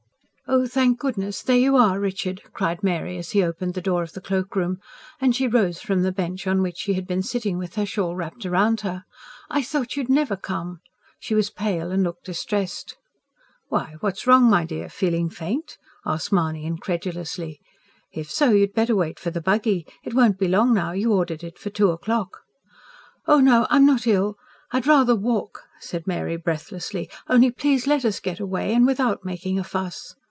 "Oh, thank goodness, there you are, Richard!" cried Mary as he opened the door of the cloakroom; and she rose from the bench on which she had been sitting with her shawl wrapped round her. "I thought you'd never come." She was pale, and looked distressed. "Why, what's wrong, my dear? ... feeling faint?" asked Mahony incredulously. "If so, you had better wait for the buggy. It won't be long now; you ordered it for two o'clock." "No, no, I'm not ill, I'd rather walk," said Mary breathlessly. "Only please let us get away. And without making a fuss."